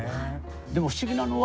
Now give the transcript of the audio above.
でも不思議なのは